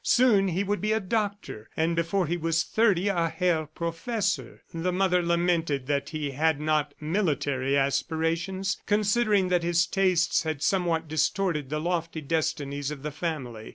Soon he would be a Doctor, and before he was thirty, a Herr Professor. The mother lamented that he had not military aspirations, considering that his tastes had somewhat distorted the lofty destinies of the family.